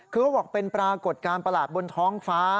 คือเขาบอกเป็นปรากฏการณ์ประหลาดบนท้องฟ้า